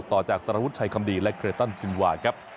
ต่อจากสารวุฒิชัยคำดีและเครตันซินวาครับ